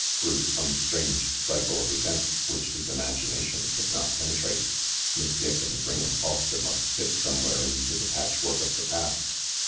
Through some strange cycle of events which his imagination could not penetrate, Miss Dick and Ring 'em Foster must fit somewhere into the patchwork of the past.